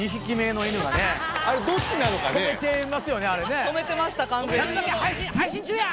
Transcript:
止めてました完全に「やめとけ配信中や！」